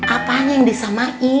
apanya yang disamain